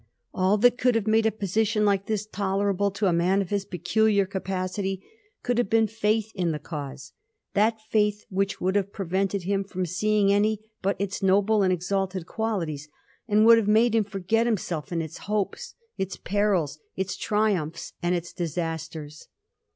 All that could have made a position like his tolerable to a man of his peculiar capacity would have been faith in the cause — ^that faith which would have prevented him fronoL seeing any but its noble and exalted qualities, and would have made him forget himself in its hopes, its perils, its triumphs, and its disasters.